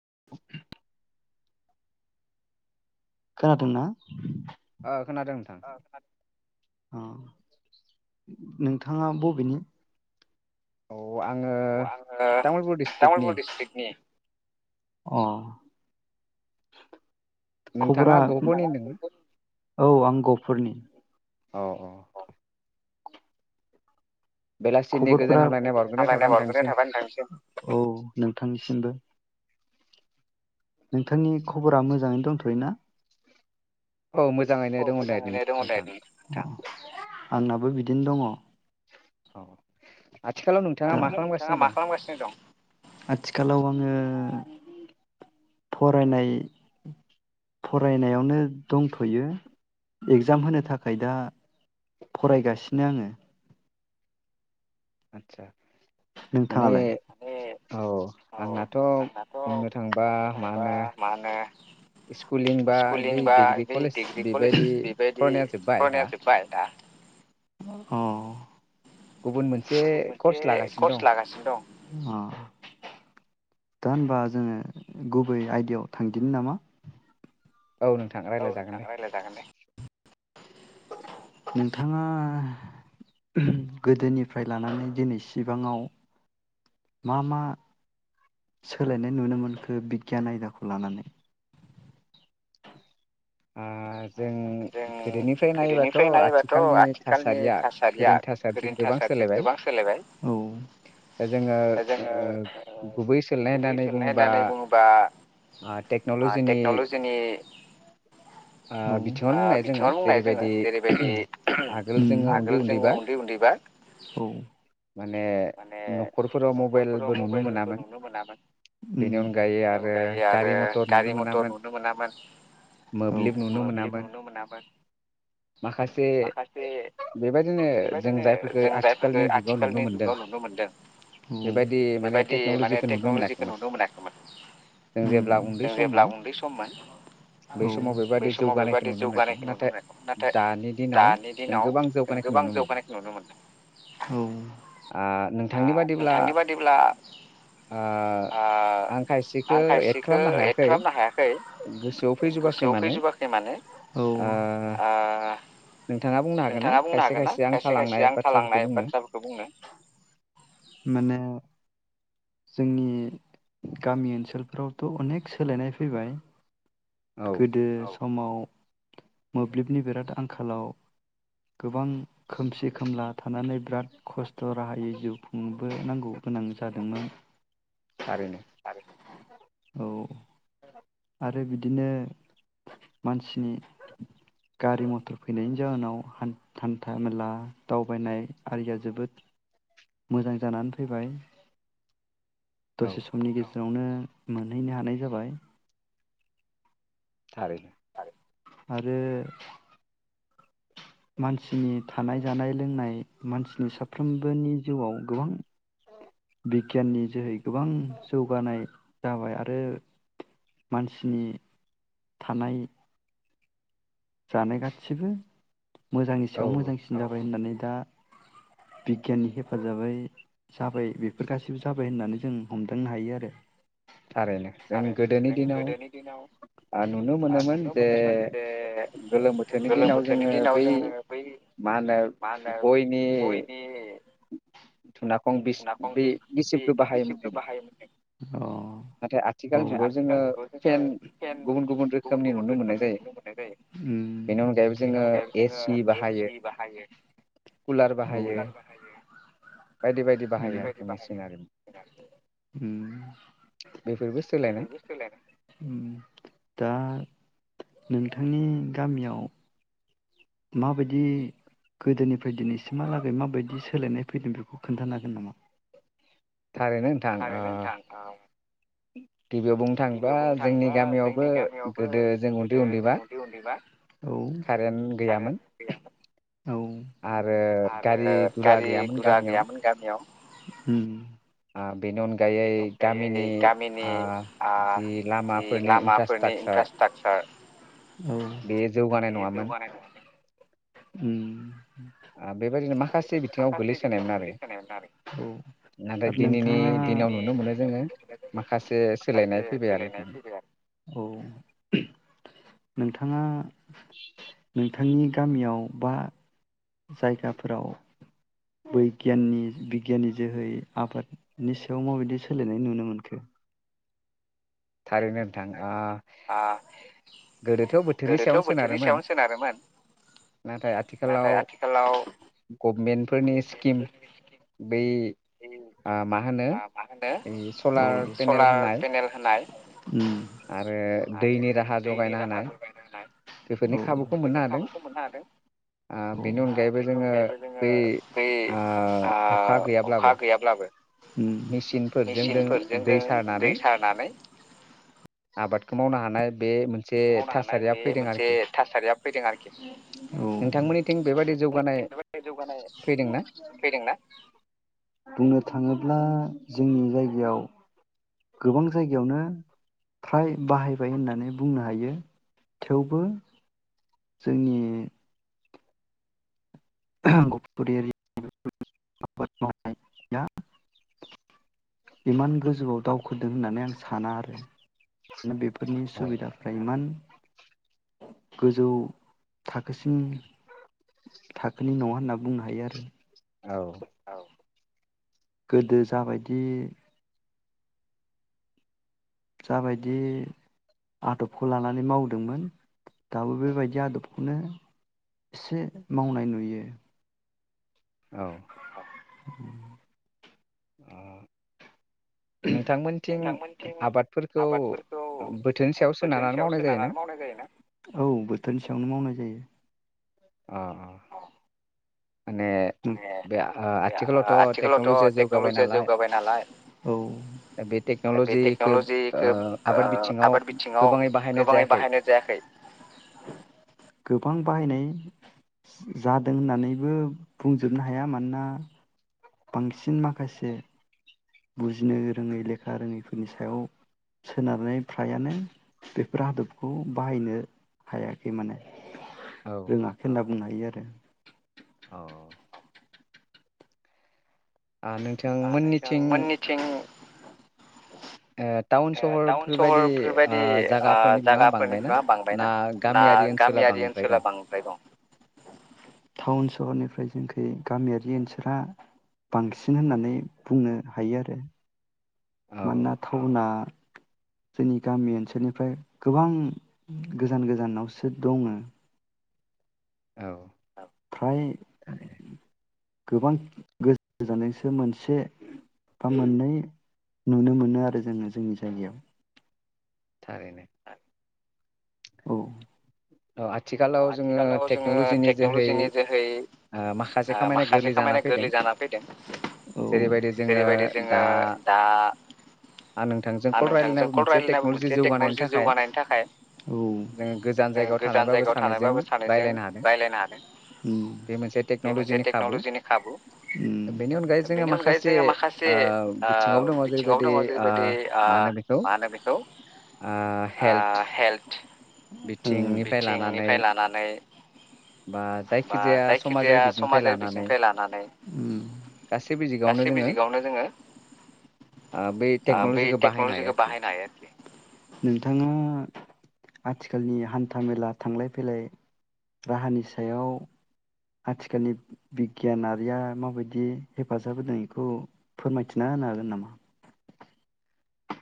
[unintelligible] खोनादोंना? ओ खोनादों नोंथां। अ नोंथाङा बबेनि? औ आङो तामुलपुर डिसट्रिकनि। अ खबरा औ आं गह'पुरनि। अ अ खबरफोरा [unintelligible] बावग्रोनाय थाबाय नोंथांनिसिम औ नोंथांनिसिमबो नोंथांनि खबरा मोजाङैनो दंथयोना? औ मोजाङैनो दङदे नोंथां। आंनाबो बिदिनो दङ अ आरो नोंथाङा मा खालामगासिनो दं? आथिखालाव आं। आङो फरायनाय फरायनायावनो दंथयो एगजाम होनो थाखाय दा फरायगासिनो आङो। आतसा। माने औ आंनाथ बुंनो थांबा मा होनो स्कुुलिं बा बै डिग्रि कलेज बेबायदि फरायनाया जोबबाय दा। अ गुबुन मोन मोनसे कर्स लागासिनो दं। अ दा होनबा जोङो गुबै आयदायाव थांदिनो नामा? औ नोंथां रायलाय जागोन दे। रायलाय जागोन दे। नोंथाङा गोदोनिफ्राय लानानै दिनै सिबाङाव मा मा सोलायनाय नुनो मोनखो बिगियान आयदाखौ लानानै? ओ जों गोदोनिफ्राय नायोबाथ' आथिखालनि थासारिया गोदोनि थासारिजों गोबां सोलायबाय औ। जोङो ओ गुबै सोलनाय होननानै बुङोबा ओ टेक्न'लजिनि औ ओ [unintelligible] बुंनाय जोङो जेरैबायदि आगोल जोङो उन्दै उन्दैबा माने नख'रफोराव मबेइलबो नुनो मोनामोन उम बेनि अनगायै आरो गारि मथर नुनो मोनामोन। मोब्लिब नुनो मोनामोन माखासे बेबायदिनो जों जायफोरखो आथिखालनि जुगाव नुनो मोनदों। नोंगौ नुनो मोनदों उम बेबायदि माने टेक्नलजिखौ नुनो मोनाखैमोन उम जों जेब्ला उन्दै सममोन। औ बै समाव बेबादि जौगानायखौ नुनो मोनाखैमोन नाथाय दानि दिनाव जों गोबां जौगानायखौ नुनो मोनदों। औ आ नोंथांनि बादिब्ला ओ आं खायसेखौ एड खालामनो हायाखै। गोसोआव फैजोबाखै माने औ ओ नोंथाङा बुंनो हागोन ना खायसे खायसे आं थालांनाय बाथ्राफोरखौ बुंनो माने जोंनि गामि ओनसोलफोरावथ अनेख सोलायनाय फैबाय। गोदो समाव मोब्लिबनि बिराद आंखालाव गोबां खोमसि खोमला थानानै बिराद खस्थ' राहायै जिउ खुङो बो नांगौ गोनां जादोंमोन आरो औ आरो बिदिनो मानसिनि गारि मथर फैनायनि जाहोनाव हान हान्था मेला दावबायनाय आरिया जोबोद मोजां जानानै फैबाय। दसे सुमनि यावनो मोनहैनो हानाय जाबाय। [unintelligible] आरो मानसिनि थानाय जानाय लोंनाय मानसिनि साफ्रोमबोनि जिउआव गोबां बिगियाननि जोहै गोबां जौगानाय जाबाय आरो मानसिनि थानाय जानाय गासिबो मोजांनि सायाव मोजांसिन जाबाय होननानै दा बिगियाननि हेफाजाबै जाबाय बेफोर गासैबो जाबाय होननानै जों हमदांनो हायो आरो। थारैनो जों गोदोनि दिनाव ओ नुनो मोनोमोन जे गोलोम बोथोरनि दिनाव जोङो बै मा होनो गयनि- [inaudible] अ' अ' उम औ। बायदि उम उम उम दा नोंथांनि गामियाव माबायदि गोदोनिफ्राय दिनैसिमहालागै माबायदि सोलायनाय फैदों बेखौ खोन्थानो हागोन नामा? थारैनो नोंथां गिबियाव बुंनो थाङोबा जोंनि गामियावबो गोदो जों उन्दै उन्दैबा कारेेनट कारेन गैया आरो गारि गुरा गैयामोन गामियाव ओम उम। उम ओ बेबायदिनो माखासे बिथिङाव गोग्लैसोनायमोन आरो [inaudible] नाथाय दिनैनि नि दिनाव नुनो मोनो जोङो माखासे सोलायनाय फैबाय आरो खि। गामियाव बा जायगाफोराव बैगियाननि बिगियाननि जोहै आबादनि सायाव माबायदि सोलायनाय नुनो मोनखो? थारैनो नोंथां गोदोथ बोथोरनि सायावनो सोनारोमोन नाथाय आथिखालाव गभमेन्ट फोरनि स्किम बै औ। उम। औ बेफोरनि खाबुखौ मोननो हादों औ बेनि अनगायैबो जोङो बै ओ अखा गैयाब्लाबो उ मेसिनफोरजों दों दै सारानानै खो मावनो हानाय बे मोनसे थासारिया ब बे मोनसे थासारिया फैदों आरोखि औ [unintelligible] जौगानाय फैदों ना? बुंनो थाङोब्ला जोंनि जायगायाव गोबां जायगायावनो फ्राय बाहायबाय होननानै बुंनो हायो थेवबो जोंनि [unintelligible] आबाद मावनाया इमान गोजौआव दावखोदों होननानै आं साना आरो। दाना बेफोरनि सुबिदाफ्राय इमान गोजौ थाखोसिम थाखोनि नङा होनना बुंनो हायो आरो औ। गोदो जाबायदि जाबायदि आदबखौ लानानै मावदोंमोन दाबो बेबायदि आदबखौनो एसे मावनाय नुयो। औ। उम नोंथांमोनथिं आबादफोरखौ बोथोरनि सायाव सोनारनानै मावनाय जायोना? औ बोथोरनि सायावनो मावनाय जायो। अ अ माने बे ओ आथिखालावथ टेक्नलजिया जौगाबाय नालाय औ दा बे टेक्नलजिखौ ओ आबाद बिथिङाव गोबाङै बाहायनाय जायाखै गोबां बाहायनाय जादों होननानैबो बुंजोबनो हाया। मानोना बांसिन माखासे बुजिनो रोङै लेखा रोङैफोरनि सायाव सोनारनानै फ्रायानो बेफोर आदबखौ बाहायनो हायाखै माने रोङाखै होनना बुंनो हायो आरो दों ओ नोंथां मोननिथिं ओ टाउन सहरफोरबायदि ओ जागाफोरनि बिबाङा बांबायना? ना गामियारि ओनसोला बांद्राय दं? टाउन सहरनिफ्राय जोंखै गामियारि ओनसोला बांसिन होननानै नै बुंनो हायो आरो मानोना टाउना जोंनि गामि ओनसोलनिफ्राय गोबां गोजान गोजानावसो दङो। फ्राय गोबां गोज गोजानैसो मोनसे बा मोननै नुनो मोनो आरो जोङो जोंनि जायगायाव थारैनो आ औ औ आथ थिखालाव जोङो टेक्नलजिनि जोहै ओ माखासे खामानिया गोरलै जा फैदों जेरैबायदि जोङो दा आं नोंथांजों कल रायज्लायनायाबो मोनसे टेक्नलजि जौगानायनि थाखाय जोङो गोजान जायगायाव जान जायगायाव थानायबाबो सानैजों रायलायनो हादों बे मोनसे टेक्नलजिनि खाबु बेनि अनगायै जोङो माखासे आ बिथिङाव दङ जेरैबायदि आ मा होनो बेखौ आ हेल्थ। लानानै फाय लानानै बा जायखिजाया समाजारि बिथिंनिफ्राय लानानै उम गासैबो जिगावनो जोङो बै टेक्नलजिखौ बाहायनो हायो आरोखि नोंथाङा आथिखालनि हान्थामेला थांलाय फैलाय राहानि सायाव आथिखालनि बिगियानारिया माबायदि हेफाजाब होनायखौ फोरमायथिना होनो हागोन नामा?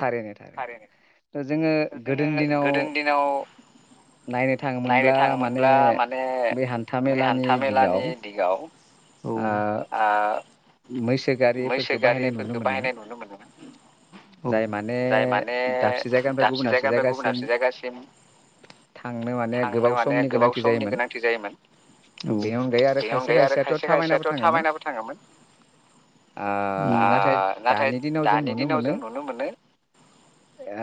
थारे नो थार नो थार जोङो गोदोनि दिनाव नायनो थाङोमोनब्ला माने बै हान्थाामेलानि दिगाव औ आ मैसो गारिफोरखौ बाहायनाय नुनो मोनोमोन जाय माने दाबसे जायगानि दाबसे जायगानिफ्राय गुबुन दाबसे जायगासिम थांनो माने गोबाव समनि गोनांथि जायोमोन औ बेनि अनगायै आरो खायसे खायसेयाथ थाबायनाबो थाङोमोन। आ नाथाय दानि दिनाव जों नुनो मोनो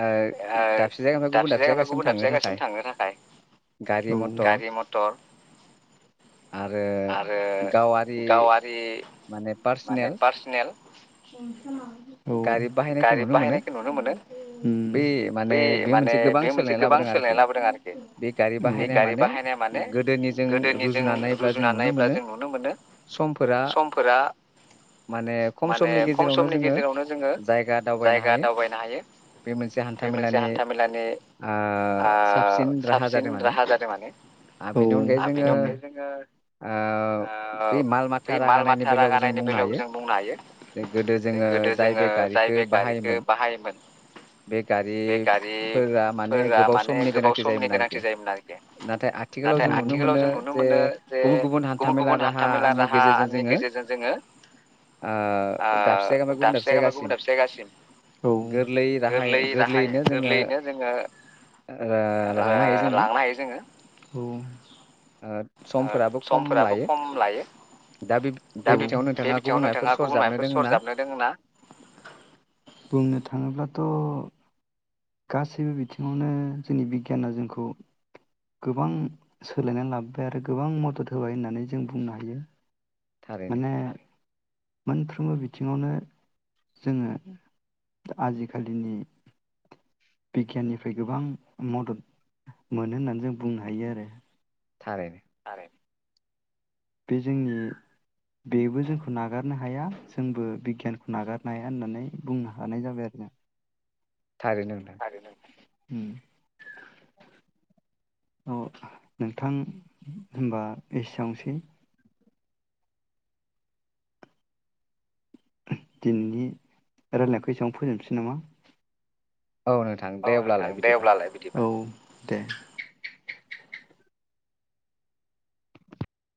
ओ दाबसे जायगानिफ्राय गुबुन दाबसे जायगासिम थांनो थाखाय औ गारि मथर आरो गावारि माने पार्सनेल उम औ गारि बाहायनायखौ नुनो मोनो। बे माने बे मोनसे गोबां सोलायनाय लाबोदों आरोखि बे गारि बाहायनाया माने गोदोनिजों रुजुनानै नायब्ला जों नुनो मोनो समफोरा माने खम समनि गेजेराव जोङो जायगा दावबायनो हायो। बे मोनसे हान्थामेलानि ओ साबसिन राहा जादों माने बेनि औ अनगायै जोङो बै माल माथा रागानायनि बेलायावबो जों बुंनो हायो गोदो जोङो जाय बे गारिखौ बाहायोमोन। बेफोर माने गोबाव समनि गोनांथि जायोमोन आरोखि नाथाय आथिखालाव जों नुनो मोनो जे गुबुन गुबुन हान्थामेला राहानि गेजेरजों जोङो ओ दाबसे ओ दाबसे जायगानिफ्राय गुबुन दाबसे गुबुन दाबसे जायगासिम गोरलै गाहाय गोरलैयैनो जोङो लांनो हायो जोङो ओ समफोराबो खम लायो दा बे बिथिङाव नोंथाङा गुबुन माबाफोर सरजाबनो दोङो ना? बुंनो थाङोब्लाथ' गासैबो बिथिङावनो जोंनि बिगियाना जोंखौ गोबां सोलायनानै लाबोबाय आरो गोबां मदद होबाय होननानै जों बुंनो हायो माने मोनफ्रोमबो बिथिङावनो जोङो आजिखालिनि बिगियाननिफ्राय गोबां मदद मोनो होननानै जों बुंनो हायो आरो। [unintelligible] थारै बे जोंनि बेबो जोंखौ नागारनो हाया जोंबो बिगियानखौ नागारनो हाया होननानै बुंनो हानाय जाबाय आरो ना थारैनो उम अ नोंथां होनबा एसेयावनोसै। दिनैनि रायलायनायखौ एसेयाव फोजोबनोसै नामा औ नोंथां दे अब्लालाय बिदिबा औ दे